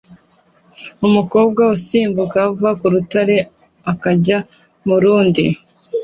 Umukobwa usimbuka ava ku rutare akajya mu rundi